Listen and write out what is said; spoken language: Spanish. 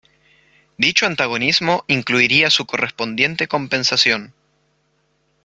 Dicho antagonismo incluiría su correspondiente compensación.